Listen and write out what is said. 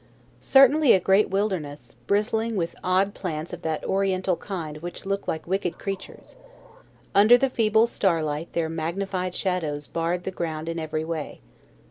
CERTAINLY a great wilderness, bristling with odd plants of that Oriental kind which look like wicked creatures. Under the feeble starlight their magnified shadows barred the ground in every way.